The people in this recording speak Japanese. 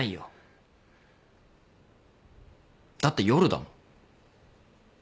だって夜だもん。